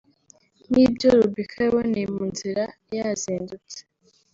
nk’ibyo Rubika yaboneye mu nzira yazindutse